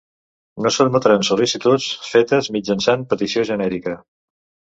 No s'admetran sol·licituds fetes mitjançant petició genèrica.